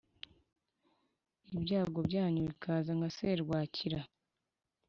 , Ibyago byanyu bikaza nka serwakira,